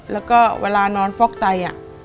แล้วก็เวลานอนฟอกไต